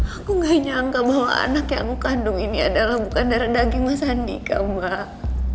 aku gak nyangka bahwa anak yang aku kandung ini adalah bukan darah daging mas andika mbak